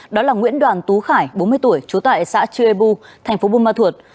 đó là nguyễn đoàn tú khải bốn mươi tuổi chú tại xã chuebu tp bunma thuật